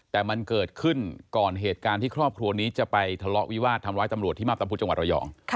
แต่มันเกิดขึ้นก่อนเหตุการณ์ที่ครอบครัวนี้จะไปทะเลาะวิวาสทำร้ายตำรวจที่มาพตำพุธจังหวัดระยอง